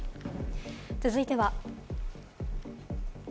続いては。